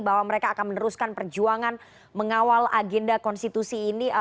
bahwa mereka akan meneruskan perjuangan mengawal agenda konstitusi ini